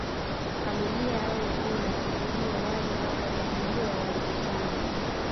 Familia au ukoo na siku hiyo wali au watahiriwa walikusanywa